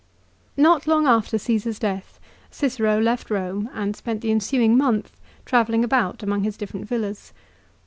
Not long after Caesar's death Cicero left Eome and spent the ensuing month travelling about among his different villas.